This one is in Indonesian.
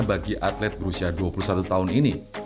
bagi atlet berusia dua puluh satu tahun ini